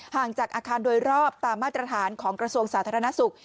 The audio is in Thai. ห่างจากอาคารโดยรอบตามมาตรฐานของกระทรวงสาธารณสุข